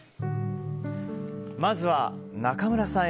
まずは中村さん